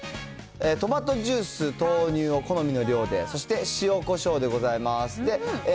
トマトジュース、豆乳を好みの量で、そして、塩コショウでございます。